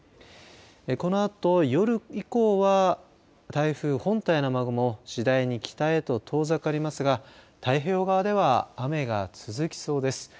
このあと夜以降は台風本体の雨雲次第に北へと遠ざかりますが太平洋側では雨が続きそうです。